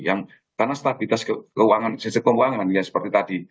karena stabilitas keuangan sisi keuangan yang seperti tadi